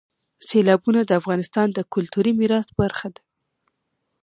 سیلابونه د افغانستان د کلتوري میراث برخه ده.